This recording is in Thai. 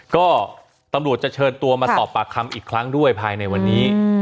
ก็ตำรวจจะเชิญตัวมาสอบปากคำอีกครั้งด้วยภายในวันนี้